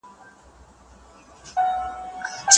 په لویه جرګه کي نظم څنګه برقرار ساتل کیږي؟